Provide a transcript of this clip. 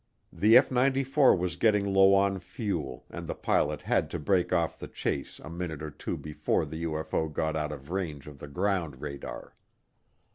The F 94 was getting low on fuel, and the pilot had to break off the chase a minute or two before the UFO got out of range of the ground radar.